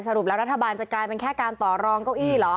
รุปแล้วรัฐบาลจะกลายเป็นแค่การต่อรองเก้าอี้เหรอ